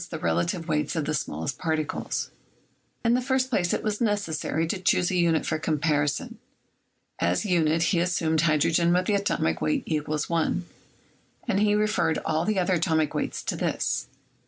the relative weights of the small est particles? In the first place it was necessary to choose a unit for comparison. As unit he assumed hydrogen with the atomic weight = 1, and he referred all the other atomic weights to this.